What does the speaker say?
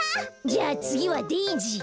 じゃあつぎはデージー。